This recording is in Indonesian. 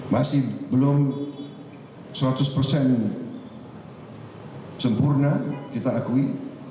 masih belum seratus persen sempurna kita akui